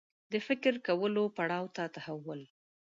د فکر کولو پړاو ته تحول